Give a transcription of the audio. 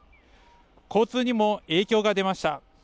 交通にも影響が出ました。